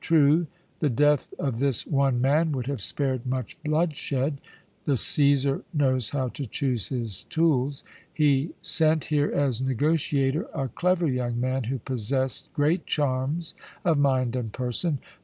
True, the death of this one man would have spared much bloodshed. The Cæsar knows how to choose his tools. He sent here as negotiator a clever young man, who possessed great charms of mind and person.